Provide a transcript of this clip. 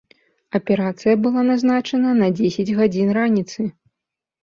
Аперацыя была назначана на дзесяць гадзін раніцы.